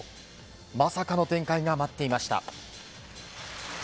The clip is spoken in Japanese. まさかの展開が待っていました。